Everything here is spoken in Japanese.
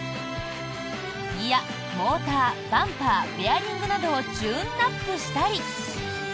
ギア、モーター、バンパーベアリングなどをチューンアップしたり。